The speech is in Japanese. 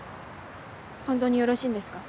本当によろしいんですか？